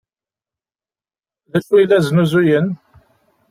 D acu ay la snuzuyen?